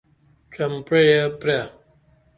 چمپعے پرے!